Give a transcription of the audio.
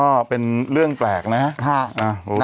ก็เป็นเรื่องแปลกนะครับ